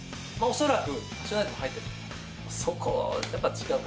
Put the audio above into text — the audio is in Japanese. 恐らく。